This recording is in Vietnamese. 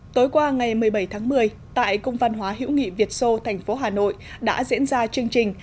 tối qua ngày một mươi bảy tháng một mươi tại công văn hóa hiễu nghị việt xô thành phố hà nội đã diễn ra chương trình